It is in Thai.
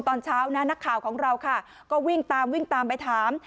ตอนเช้านะนักข่าวของเราค่ะก็วิ่งตามวิ่งตามไปถาม